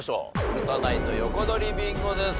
古田ナインの横取りビンゴです。